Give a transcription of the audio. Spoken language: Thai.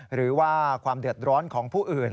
หรือว่าความเดือดร้อนของผู้อื่น